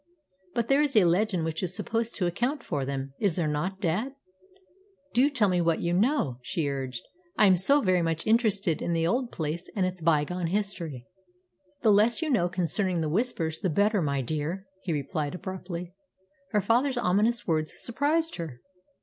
"But there is a legend which is supposed to account for them, is there not, dad? Do tell me what you know," she urged. "I'm so very much interested in the old place and its bygone history." "The less you know concerning the Whispers the better, my dear," he replied abruptly. Her father's ominous words surprised her.